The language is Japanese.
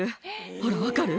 ほら分かる？